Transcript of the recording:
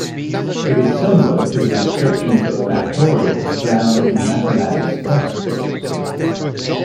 It is similar to the descriptions of factorials found in mathematics textbooks.